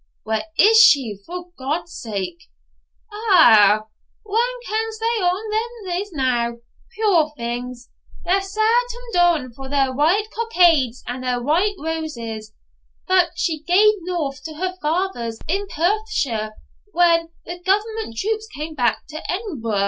'Where is she, for God's sake?' 'Ou, wha kens where ony o' them is now? puir things, they're sair ta'en doun for their white cockades and their white roses; but she gaed north to her father's in Perthshire, when the government troops cam back to Edinbro'.